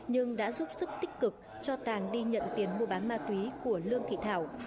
nhưng đã giúp sức tích cực cho tàng đi nhận tiền mua bán ma túy của lương thị thảo